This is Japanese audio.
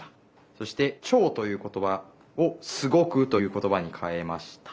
そして「ちょう」ということばを「すごく」ということばにかえました。